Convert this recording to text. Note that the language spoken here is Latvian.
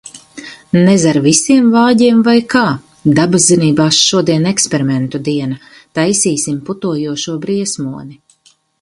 Nez ar visiem vāģiem, vai kā? Dabaszinībās šodien eksperimentu diena. Taisīsim putojošo briesmoni.